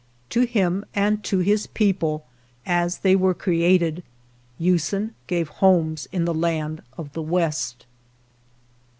To him, and to his people, as they were created, Usen gave homes in the land of the west.